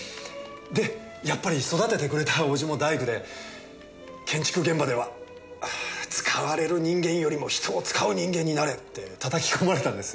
でやっぱり育ててくれた伯父も大工で建築現場では使われる人間よりも人を使う人間になれってたたき込まれたんです。